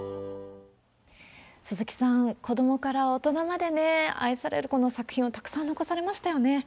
鈴木さん、子どもから大人まで愛される作品をたくさん残されましたよね。